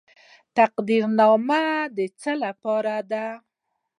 تقدیرنامه د څه لپاره ده؟